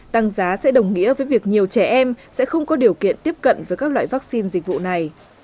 tăng giá sẽ đồng nghĩa với việc nhiều trẻ em sẽ không có điều kiện tiếp cận với các loại vaccine dịch vụ này